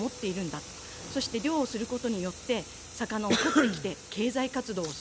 そして漁をすることによって、魚を取ってきて、経済活動をする。